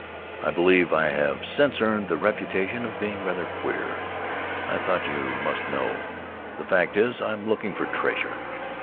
I believe I have since earned the reputation of being rather queer. I thought you must know. The fact is I'm looking for treasure.